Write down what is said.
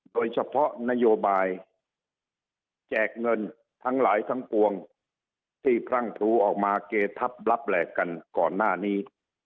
โดยเฉพาะนโยบายแจกเงินทั้งหลายทั้งปวงที่พรั่งพลูออกมาเกทับรับแหลกกันก่อนหน้านี้